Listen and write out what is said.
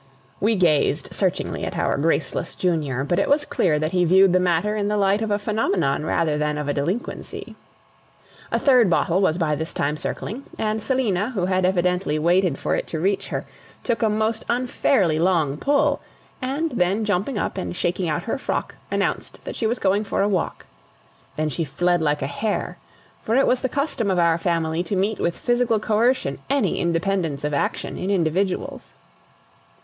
We gazed searchingly at our graceless junior; but it was clear that he viewed the matter in the light of a phenomenon rather than of a delinquency. A third bottle was by this time circling; and Selina, who had evidently waited for it to reach her, took a most unfairly long pull, and then jumping up and shaking out her frock, announced that she was going for a walk. Then she fled like a hare; for it was the custom of our Family to meet with physical coercion any independence of action in individuals.